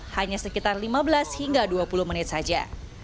hanya sekitar lima belas hingga dua puluh menit saja